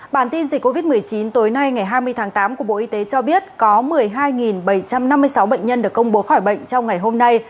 bản tin dịch covid một mươi chín tối nay ngày hai mươi tháng tám của bộ y tế cho biết có một mươi hai bảy trăm năm mươi sáu bệnh nhân được công bố khỏi bệnh trong ngày hôm nay